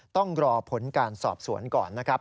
ต้องรอผลการสอบสวนก่อนนะครับ